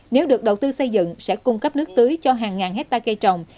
nếu được đầu tư xây dựng sẽ cung cấp nước tưới cho hàng ngàn hectare cây trồng